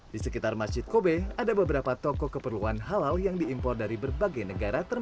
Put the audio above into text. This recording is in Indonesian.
di sekitar masjid kobe ada beberapa toko keperluan halal yang diimpor dari berbagai negara